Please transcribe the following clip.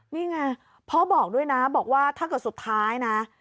นี่ไงพ่อบอกด้วยนะบอกว่าถ้าเกิดสุดท้ายนะ